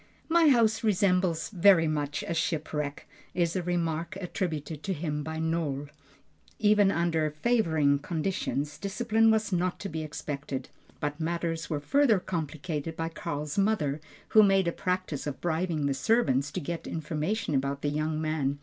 "My house resembles very much a shipwreck" is a remark attributed to him by Nohl. Even under favoring conditions, discipline was not to be expected, but matters were further complicated by Karl's mother, who made a practice of bribing the servants to get information about the young man.